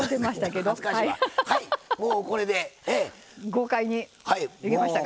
豪快にできましたか？